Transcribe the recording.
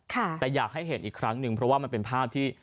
แต่อยากให้เห็นอีกครั้งหนึ่งเพราะว่ามันเป็นภาพที่